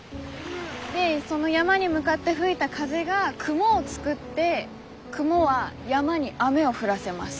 でその山に向かって吹いた風が雲を作って雲は山に雨を降らせます。